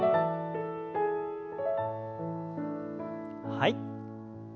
はい。